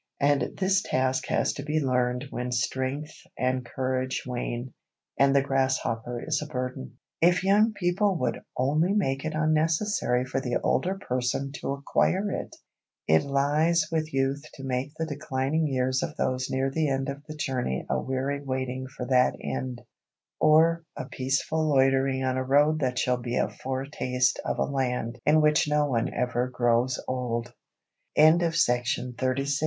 And this task has to be learned when strength and courage wane, and the grasshopper is a burden. If young people would only make it unnecessary for the older person to acquire it! It lies with youth to make the declining years of those near the end of the journey a weary waiting for that end, or a peaceful loitering on a road that shall be a foretaste of a Land in which no